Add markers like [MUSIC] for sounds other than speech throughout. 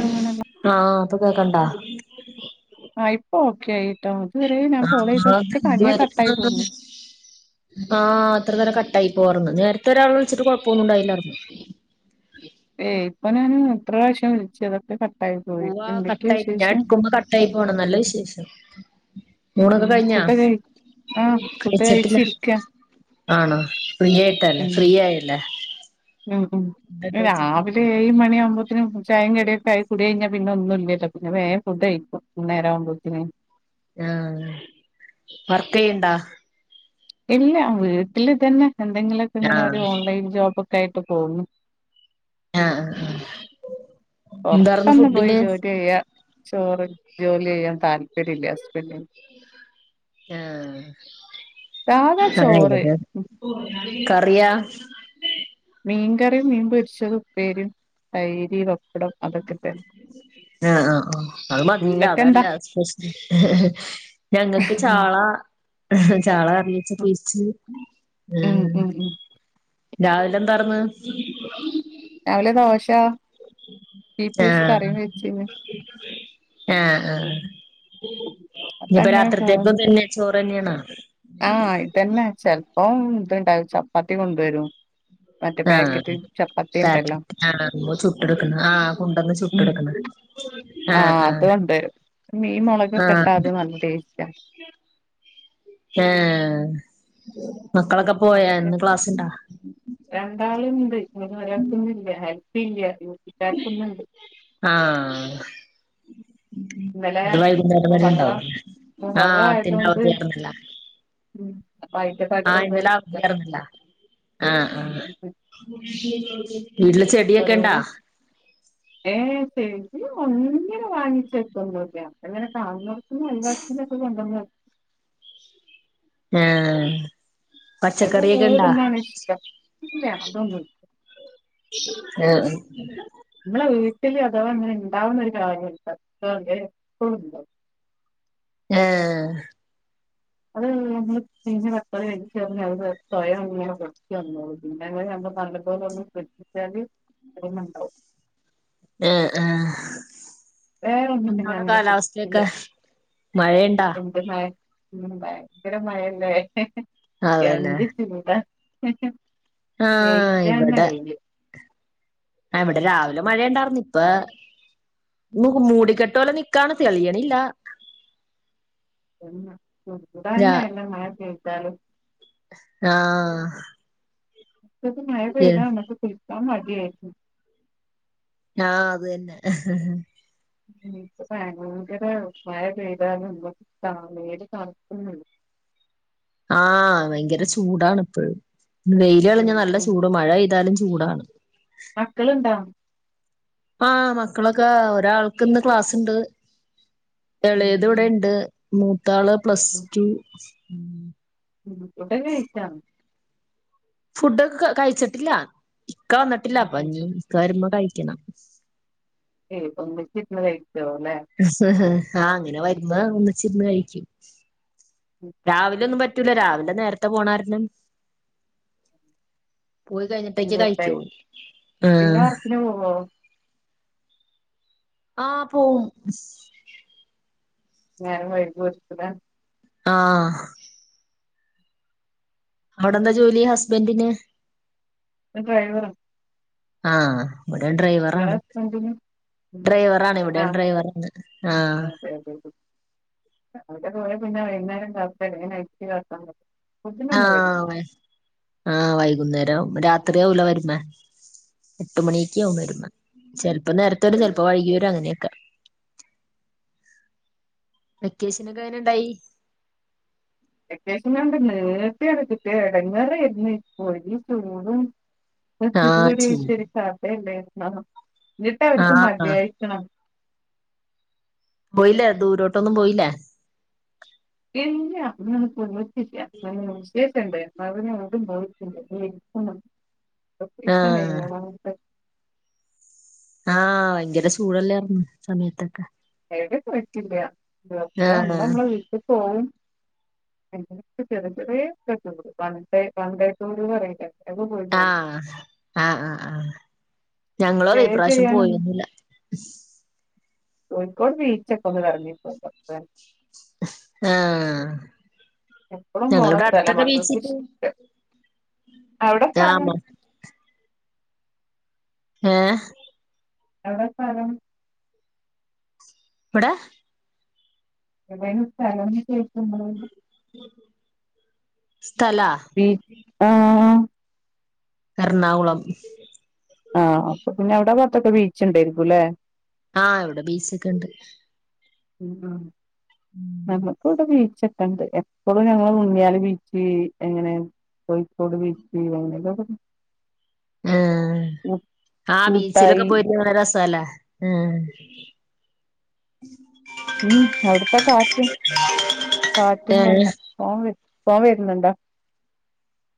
അങ്ങനല്ല. ആഹ് അപ്പൊ പോയ് കണ്ടാ ആഹ് ഇപ്പോ ഓക്കെ ആയിട്ടൊ [UNINTELLIGIBLE] ആഹ് പോന്നു. ഇത്ര നേരം കട്ടായി പോവാർന്ന്. നേരത്തെ ഒരാള് വിളിച്ചിട്ട് കൊഴപ്പോന്നും ഇണ്ടായില്ലാർന്ന് ഇവനെ ഞാന് എത്ര പ്രാവശ്യം വിളിച്ചതാ [UNINTELLIGIBLE] പൂവാ കട്ട് ആയി ഞാൻ എടുക്കുമ്പോ കട്ട് ആയി പോണ് നല്ല വിശേഷം മൂണക്കെ ഉം കഴിഞ്ഞാ ഫുഡ് കഴി ആഹ് ഫുഡ് കഴിച്ചിട്ടില്ല കഴിച്ചിരിക്കാ. ആണ ഫ്രീ ആയിട്ടല്ലേ ഉം ഫ്രീ ആയല്ലേ ഉം ഉം ഫുഡൊക്കെ കഴിച്ചിട്ട് രാവിലെ ഏഴ് മണി ആവുമ്പോത്തന് മു ചായേംകടി ചായകുടി കഴിഞ്ഞാ പിന്നെ ഒന്നും ഇല്യാല്ലൊ പിന്നെ വേഗം ഫുഡ് കഴിക്കും നേര ആവുമ്പോത്തനേ ആഹ് വർക്കെയ്യൺ‌ണ്ടാ ഇല്ല വീട്ടില് തന്നെ എന്തെങ്കിലൊക്കെ ഇങ്ങനെ ഒരു ആഹ് ഓൺലൈൻ ജോബ് ക്കായ്ട്ട് പോകുന്നു ആഹ് ആഹ് എന്താർന്നു പൊറത്തൊന്നും പോയി ഫുഡിന് ജോലി ചെയ്യാ ചോറിങ് ജോലി ചെയ്യാൻ താല്പര്യല്ല ഹസ്ബൻ്റിന് ആഹ് സാധാ ചോറ് ആഹ് [UNINTELLIGIBLE] കറിയാ മീൻ കറിയും മീൻ പൊരിച്ചത് ഉപ്പേരിയും തൈര് പപ്പടം അതൊക്കെ തന്നെ ആഹ് ആഹ് അത് മതില്ലൊ നിങ്ങക്കെന്താ അതല്ല സ്പെഷ്യൽ ഞങ്ങക്ക് ചാള ചാള കറിവെച്ച് പൊരിച്ച് ഉം ആഹ് ഉം ഉ രാവിലെ എന്താറന്ന് ബ പിഎസ് കറ വെച്ചത് ആഹ ആഹ ഇനിപ്പൊ അതങ്ങനെ രാത്രിത്തേക്കും തന്നെ ചോറ്ന്നെയണ ആഹ ഇതന്നെ ചെിലപ്പം ഇത്ണ്ട ചപ്പാത്തി കൊണ്ടുവരും മറ്റേ പാക്കെറ്റ് പറ്റ് ആ ചുട്ട എടുക്ക ആഹ് കൊണ്ടുവന്ന് ചുട്ട് എടുക്കണ ആഹ അതുകൊണ്ട് മീൻ മുളക് ആഹ് കെട്ടാതെ നല്ല ടേസ്റ്റാ ആഹ അതൊക്കെ രണ്ടാളുണ്ട് ഇ ഒരാക്കൊന്നില്ല പില്ല ആഹ് ഇന്നലെ അത് വൈകുന്നേരം വരെ മൊഹററ ഉണ്ടാവും മുഹററ ആഹ് ത്തിന്റെ ആയതുകൊണ്ട് ഉം അപ്പൊ അയിന്റെ ആഹ പകരം എന്താ ഇന്നല വറന്നില്ല ആഹ് ആഹ ബ ശ ഇ ഒന്നിനെ വാങ്ങിച്ചെത്തണ്ടല്ലെ അപ്പ അങ്ങനെ കാണർക്കുന്ന വത്തിനൊക്കെ കൊണ്ട ആഹ അ വീടുന്നാണ് ഇഷ്ടം ഇല്ല അതൊണ്ട് ആഹ നമ്മളെ വീട്ടില് അഥവാ അങ്ങനെ ഇണ്ടാവുന്ന ഒരു കാര്യം ഇത് എപ്പോഴും ഉണ്ടും ആഹ് അത് നമ്മള് പിന്നെ പക്കാളി ക ചറി സ്വയം ഇങ്ങനെ കൊക്ക വന്നൂ പിന്നെ നല്ലപോല ഒന്ന ശ്രധിച്ചാല്ണ്ടാവും ആഹ് ആഹ് വേറെൊന്നും പിന്നെ എന്തോടെ അങ്ങനെ കുടില്ല കാലാവസ്ഥയൊക്കെ മഴയുണ്ടാ എന്തെന്നായ ഉം ഭയങ്കര മഴല്ലേ അതന്നെ എന്ത് ചെയത ആഹ് വെയിലന്നാ ഇവിടെ വയില് ഇവിടെ രാവിലെ മഴുണ്ടായിർരുന്നു ഇപ്പ മൂടിക്കെട്ട് പോലെ നിക്കാണ് തെളിയ അില്ല തന്നെ എല്ലാം മഴ കേ വിട്ടാലും ആഹ അത് മ കതക്ക ഫത മടി ആയി ആഹ അത്ന്നെ ക്ക് ഭയങ്കര ഉ മ പെയ്താല നമ്മക്ക് നേര് കാണക്കുന്നു [INAUDIBLE] ആഹ ഭയങ്കര ചൂടാാണ് ഇപ്പോഴും വെയില ഉം കളിഞ്ഞാ നല്ല ചൂട് മഴ പെയ്താലും ചൂടാണ് മക്കളുണ്ടാ ആഹ മക്കളൊക്കെ ഒരാൾക്ക് ഇന്ന് ക്ലാസ്സ് ഇണ്ട് ഉം ഇളയത് ഉം ഇവിടെ ഇണ്ട് മൂത്താള് പ്ലസ് ഉം ടു ഉം ഫുഡൊക്കെ കഴിച്ചോ ഫുഡൊക്കെ കഴിച്ചിട്ടില്ല ഇക്ക ഉം ഉം വന്നിട്ടില്ലഞ്ഞ ഉം ഇക്ക വരുമ്പോ കഴ ിക്ക പ നിശി മ ആഹ് അങ്ങനെ വരുന്ന ഒന്നിച്ചിരുന്ന് കഴിക്കും ഉം രാവിലെ ഒന്നും പറ്റൂല രാവിലെ നേരത്തെ പോണാരരുന്നു പോയി കഴിഞ്ഞിട്ടേക്ക് ഇരുപത്തായി കഴിക്കോൂ ആ പിന്നെ വർക്കിന് പോവോ ആഹ് പോവും നേഞര വൈകിത്തത ആഹ അവിടെന്താ ജോലി ഹസ്ബൻറിന്? ഡ്രൈവറ ആഹ ഇവിടെ ഡ്രൈവറാണ് ഹസ്ബൻഡിന് ഉം ഡ്രൈവറ ആണ് എവിടൊണ് ആഹ് ഡ്രൈവറാണ് ആഹ! അതെ അതെ അവിടെ പോയ പിന്നെ വൈകുന്നേരം കാടൻ അച്ച്ു കക്കാ ആഹ! ആ വൈകുന്നേര രാത്രിയാല വരു എട്ട് മണി ക്ക വരു അപ്പൊ നേരത്തെ ഒരു ചിലപ്പോ വഴി വരും അങ്ങനെയൊക്കെ വെക്കേഷനൊക്കെ അങ്ങനെ ഇണ്ടായി അത്യാശം കണ്ട് നേട്ട എടുക്കട്ട എടങ്ങറായിരുന്നു ഇപ്പോചൂടും മ ആഹ് ഗൂടി ചൂട് ശരി സാധല്ല എ എന്നിട്ട് അവർക്കും ആഹ് മതിായിക്കണം പോയില്ല ദൂരോട്ടൊന്നും പോയില്ല എ അ പോവത്തി കേസണ്ട് മവിനെണ്ട് മണ്ട് ആഹ് ആഹ ഭയങ്കര ചൂടല്ലായിന്ന് സമയത്തൊക്കെ എട പഴറ്റില്ല ഒപ്പ നമ്മടെ ആഹ് നമ്മളെ വീട്ടിൽ പോവുംവും ചെറ ചെറ വ വക്ക പറ ആഹ ആഹ ആഹ് ആഹ ഞങ്ങളോ സ്റ്റേ അൈപ്രാവശ്യം ചെയ്യാനൊന്നും പോയൊന്നില്ല കോഴിക്കോട് ബീച്ചൊക്കെ ഒന്ന് ഇറങ്ങിപ്പോ ഡക്ടൻ ആഹ എപ്പഴും പോോണ സ്ഥല മക്കൾക്ക് ശ അവിടെ പറ ആഹ് ആഹ! എവിടെ സ്ഥലം? എവിടെ? എതും സ്ഥലംന്ന് ശേഷണ്ട് സ്ഥലാ പി ആഹ! എറണാകുളം. ആഹ! അപ്പൊ പിന്നെ എവിടെ പുറത്തൊക്കെ ബീച്ച് ഉണ്ടായിരിക്കുംല്ലെ ആഹ! എവിടെ ബീച്ചൊക്കെ ഉണ്ട്. ഉ നക്കൂടി ചട്ടണ്ട് എപ്പോഴും ഞങ്ങള് മുന്നിയാലി ബീച്ച് എങ്ങനെ കൊഴിക്കോട്‌ ബീച്ച് ആ ആ ബീച്ചിലൊക്കെ കൂട്ടായി പോയിട്ട്ങ്ങ രസല്ലേ ഉം ഉം അവിടുത്തെ കാറ്റും കാറ്റും ഏഹ് വണ്ട പോ വ പോവ വരുന്നുണ്ടോ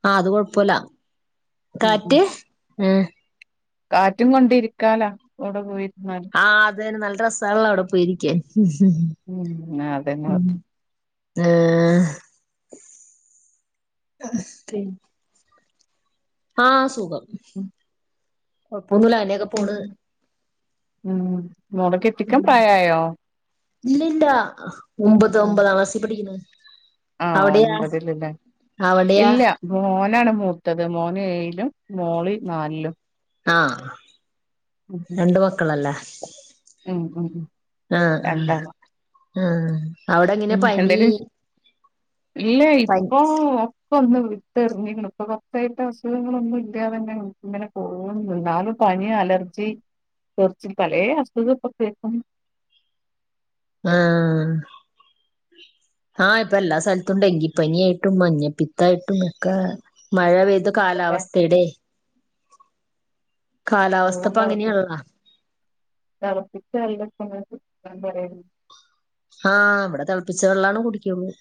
ആ അത് കൊഴപ്പമില്ല ഉം ഉം കാറ്റ് ഉ കാറ്റും കൊണ്ടിരിക്കാലാ കവിടെ പോയി ആഹ് അത്ന്നെ നല്ല രസാല്ലോ അവിടെ പോയിരിക്കേൻ ഉ ഉം ഹ! അതന്നെ ഉം ആഹ! ആഹ സുഖം ഉം കൊഴപ്പൊന്നുല്ല അങ്ങനെയൊക്കെ ഉം പോണ് ഉം മോട കെട്ടിക്കാൻ പ്രായായോ? ഇല്ല ഇല്ല ഒമ്പത് ഒമ്പത ക്ലാസ്സില് പിഠിക്കുന്നത് ആഹ ഒൻപതില്ല്ലേ അവിടെയാ ഇല്ല മോനാണ് മുത്തത് മോന് ഏഴിലും മോളി നാലിലും ആഹ് രണ്ട് മക്കളല്ലേ മ് മ് മ് രണ്ടളാ ഹ് അവിടെങ്ങന പനി ഇല്ലേ പനി ഇപ്പൊ ഇപ്പോന്ന് വിട്ടറിഞെക്കണു ഇപ്പൊ കൊറചായിട്ട് അസുഖങ്ങളൊന്നും ഇല്ലാതെന്നെ ഇങ്ങനെ പോകുന്നു എന്നാലും പനി അലർജി കുറച് പല അസുഖോക്കെ കേക്കുന്നു ആഹ് ആഹ് ഇപ്പൊ എല്ലാ സ്ഥലത്തും ഡെങ്കിപ്പനിയായിട്ടും മഞ്ഞപ്പിത്തായിട്ടും ഒക്കെ മഴ പെയ്ത കാലാവസ്ഥയുടെ കാലാവസ്ഥ വെള്ളം ഇപ്പ തിളപ്പി അങ്ങനെയാണല്ലോ തിളപ്പിച്ചു കഴിഞ്ഞിട്ടാങ്ങോട്ട് ആഹ് ഇവിടെ തിളപ്പിച്ച വെള്ളാണ് കുടിക്കുന്നത്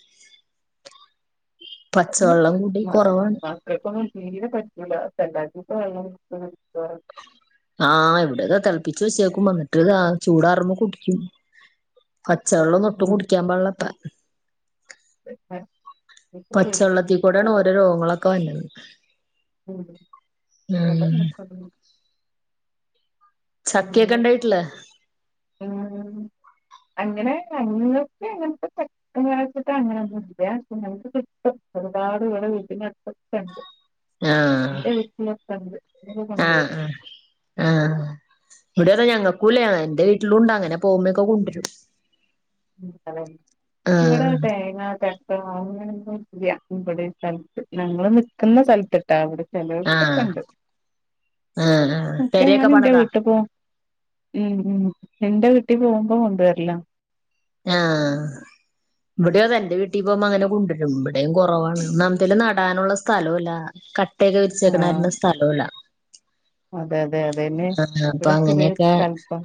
മക്കൾക്കൊന്നും തീരെ പറ്റി [UNINTELLIGIBLE] ആഹ് ഇവിടതെ തിളപ്പിച്ചു വെച്ചേക്കും വന്നിട്ട് ഇതാ ചൂടാറുമ്പോ കുടിക്കും പച്ചവെള്ളോക്കെ ഒടട്ടും ഉം. കുടിക്കാൻ പാടില്ലത്രേ ഉം. പച്ചവെള്ളത്തിക്കൂടെയാണ് ഓരോ രോഗങ്ങളൊക്കെ വന്നത് ഉമ് ചക്കയൊക്കെ ഇണ്ടോ വീട്ടില് അങ്ങനെ അങ്ങത്തെ അങ്ങനത്തെ ച്ചിട്ട് അങ്ങനെയൊന്നും ഇല്ല [UNINTELLIGIBLE] ഒരുപാട് വീട് വീട്ടിനടുത്തൊക്കെണ്ട് ആഹ് എന്റെ വീട്ടിൽ ഒക്കെ ഒണ്ട് ആഹ് ഇവിടതെ ഞങ്ങൾക്കൂല്ല എന്റെ വീട്ടില് ഉണ്ട് അങ്ങനെ പോകുമ്പോക്കെ കൊണ്ടുവരും ഇവിടെ ആഹ് തേങ്ങ ചക്ക അങ്ങനെ ഒന്നുല്ല്യ ഇവിടേം സ്ഥലത്ത് ഞങ്ങള് നിക്കുന്ന സ്ഥലത്ത് ട്ടാ അവിടെ ചിലപ്പാ ക്കെ ആഹ് ഉണ്ട്‌ ആഹ് ആഹ് കേയാണ് പെരയൊക്കെ ന്റെ പണിതാ വീട്ടിപോമ്പോ ഉമ് ഉമ് എന്റെ വീട്ടിൽ പോകുമ്പോ കൊണ്ടുവരെല്ലാം ആ ഇവിടെയോ അതെന്റെ വീട്ടിൽ പോമ്പോ അങ്ങനെ കൊണ്ടുവരും ഇവിടെയും കുറവാണ് ന്ന ന്തേലും നടാനുള്ള സ്ഥലോല്ല പ്രത്യേക വിരിച്ചേക്കണാ ആഹ് കാരണം സ്ഥലല്ല അതെ അതെ അതെന്നെ അപ്പൊ ഇവിടെ ചെറിയ അങ്ങനെയൊക്കെ തണുപ്പാ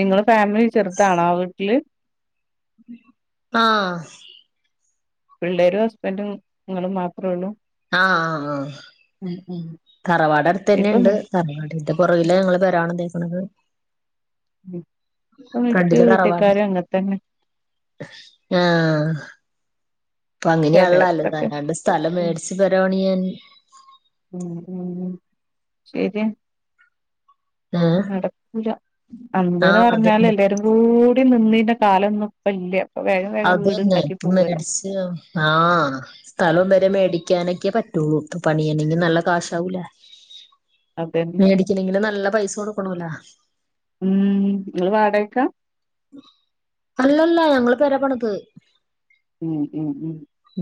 നിങ്ങടെ ഫാമിലി ചെറുതാണോ ആ വീട്ടില് ആഹ് പിള്ളേരും ഹസ്ബൻഡും നിങ്ങളും മാത്രേ ഉള്ളൂ ആ ആ ആ ഉം ഉം ഇപ്പൊ തറവാടാടുതുതന്നെയുണ്ട് മി തറവാടിന്റെ പുറകില ഞങ്ങള് പെര പണിതേ [INAUDIBLE] അപ്പ മിക്ക വീട്ടിക്കാരും അങ്ങത്തന്നെ ആ അപ്പൊ അങ്ങനെയാള്ളല്ലോ ചെലടത്തൊക്കെ അല്ലാണ്ട് സ്ഥലം മേടിച്ചു പേര പണിയാൻ മ് മ് ശരിയ ഏഹ് നടക്കൂല എന്താ ന്ന് ആഹ് പറഞ്ഞാലും അതന്നെ എല്ലാരും കൂടെ നിന്നിന കലോം ഇന്ന് ഇപ്പോ ഇല്ല ഇപ്പൊ വേഗം വേഗം വീട് ഇണ്ടാക്കി അതന്നെപ്പ പോവല്ലോ മേടിച്ചു ആഹ് സ്ഥലം വരെ മേടി ക്കാനൊക്കെ പറ്റുള്ളു ഇപ്പ പണിയണങ്കിൽ നല്ല കാശാവുല്ലേ അതന്നെ മേടിക്കലെങ്കിലും നല്ല പൈസ കൊടുക്കണോല്ലാ ഉമ് നീ വാടകക്കാ അല്ലല്ല ഞങ്ങള് പെര പണിത് ഉമ് ഉമ്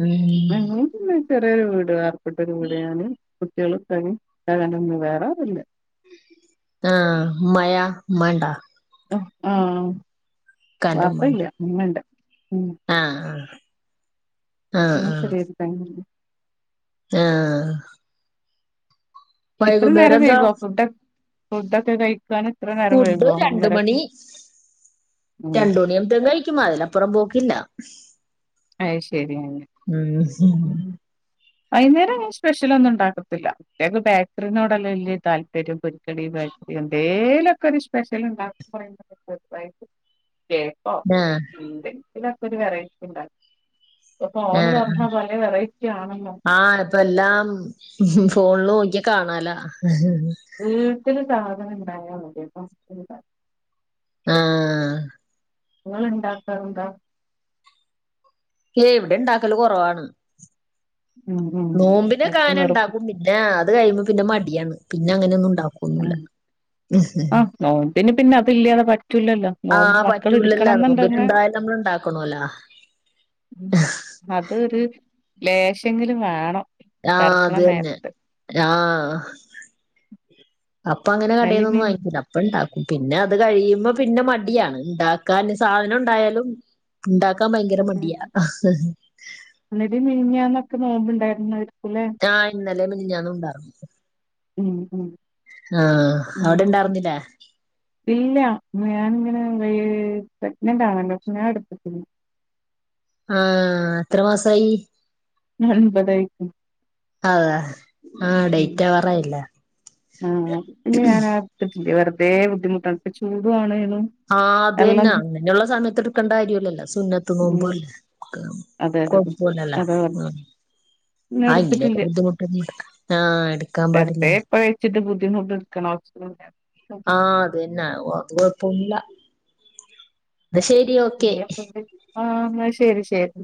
ഉം ഉമ് [INAUDIBLE] ചെറിയൊരു വീട് പ്പെടട്ടൊരുകവിടെയാണ് കുട്ടികളും വേറെ ആരുവില്ല ആഹ മഴ മണ്ടാ ആഹ ഇക്കാന്റെ വാപ്പല്ല ഉമ്മണ്ട് ഇമ്മണ്ട് ആഹ് ഉ ശരിായിരു തങ് [UNINTELLIGIBLE] ആഹ ഇത്ര നേരം വൈകോ ഫുഡ ഫുഡക്കെ കഴിക്കാൻ ഇത്ര നേരം ഫുഡ് വൈകോ രണ്ട് ഒന്നരക്ക് മണി ഉം രണ്ടു മണിയവുമ്പോത്തിനു കഴിക്കും അതിന് അപ്പുറം പോക്കില്ല അയ് ശരി ഉം വൈന്നാരം ഞാൻ സ്പെഷ്യല് ഒന്നും ഉണ്ടാക്കത്തില്ല അത്ത് ബേക്കറിനോട അല്ലെ വലിയ താല്പര്യം പൊ എന്തേലുമൊക്കെ ഒരു സ്പെഷ്യൽഉണ്ടാകുമ്പോ പറി കേക്കോ ആഹ് എന്തെങ്കിലൊക്കെ ഒരു വെറൈറ്റി ഉണ്ടാക്കും ഇപ്പൊ ഫോണ് ആഹ തുറന്ന പല വെറൈറ്റി ആണല്ലോ ആഹ ഇപ്പ എല്ലാം ഫോണിൽ നോക്കിയാ കാണാലാ വീട്ടില് സാധനം ഇണ്ടായാൽ മതി അപ്പ ആഹ നിങ്ങള് ഇണ്ടാക്കാറുണ്ടോ എവിടെ ഉണ്ടാക്കല് കുറവാണ് ഉം ഉം നോമ്പിന് എക്കും ക്കങ്ങനെ വെറും ഉണ്ടാക്കും പിന്നെ കഴുമ്പോ പിന്നെ മടിയാണ് പിന്നെ അങ്ങെനൊന്നും ഉ ആ നോമ്പിനു പിന്നെ അത് ഇല്ലാതെ പ പറ്റൂലല്ലോ ആഹ് മക്കൾ പറ്റൂലല്ലോ എടുക്കണന്നുണ്ടങ്കിൽ നോമ്പിനുണ്ടായാലും നമ്മള് ഉണ്ടാക്കണോല്ലോ ഉ അതൊരു ലേശെങ്കിലും വേണം ആഹ പെറക്കണ അത് തന്നെ നേരത്ത് ആഹ അപ്പൊ അങ്ങനെ കടെന്നൊന്നും നെല്ലിമീൻ വങ്ങിക്കില്ല അപ്പ ഇണ്ടാ പിന്നെ അത് കഴിയുമ്പോ പിന്നെ മടിയാണ് ഉണ്ടാക്കാൻ സാധനം ഉണ്ടായാലും ഉണ്ട ഭയങ്കര അതെ മണ്ടിയാ നോമ്പണ്ടായിരുന്നായിരിക്കുംല്ലെ ഇന്നലെ മിനിഞ്ഞാന്നും ഉണ്ടായിരുന്നു ഉം ഉം അവിടെ ഇണ്ടാർന്നില്ലേ ഇല്ല ഞാനിങ്ങനെ പ്രെഗ്നന്റ് ആണല്ലോഞാൻ എടുത്തിട്ടില്ല ആഹ എത്ര മാസായി ഒമ്പതായി അതാ ഉ ആ പിന്നെ ഞാൻ ഇട്ത്തിട്ടില്ല വെറ ആദ്യേ ബുദ്ധിമുട്ടാണ് ഇപ്പൊ ചൂടാണ് ആഹ അദെന്നെ അങ്ങനെയുള്ള സമയത്ത് എടുക്കേണ്ട കാര്യല്ലല്ലോ സുന്നത്ത് നോമ്പ് ഉം അല്ലേ അതെ അതെ അതെ കൊയപ്പല്ലല്ലോ അതാ പറഞ്ഞെ പിന്നെ ആ ഇങ്ങനെയൊക്കെ എടുത്തിട്ടില്ല ബുദ്ധിമുട്ട് ആഹ എടുക്കാൻ പാടില്ലല്ലോ അ [UNINTELLIGIBLE] ആഹ അതന്നെ അത് കൊഴപ്പന്നുല്ല ന്നാ ശരി ഓക്കെ ആഹ എന്നാ ശരി ശരി